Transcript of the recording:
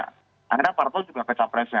karena parpol juga ke capresnya